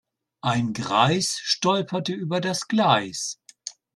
Ein Greis stolperte über das Gleis.